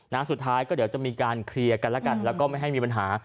สุดท้ายก็เดี๋ยวจะมีการเคลียร์กันแล้วกันแล้วก็ไม่ให้มีปัญหา